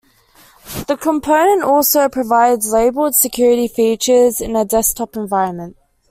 The component also provides labeled security features in a desktop environment.